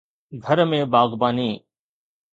گهر ۾ باغباني